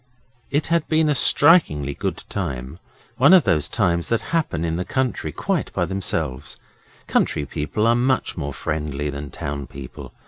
It had been a strikingly good time one of those times that happen in the country quite by themselves. Country people are much more friendly than town people.